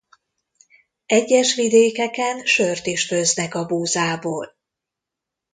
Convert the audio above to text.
Egyes vidékeken sört is főznek a búzából.